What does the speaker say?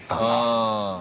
うん。